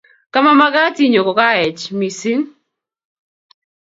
Kamamagat Inyo kogaech missing